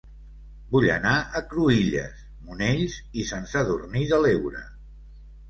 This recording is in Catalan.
Vull anar a Cruïlles, Monells i Sant Sadurní de l'Heura